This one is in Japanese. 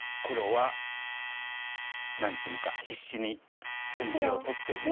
黒は何ていうか必死に先手を取って。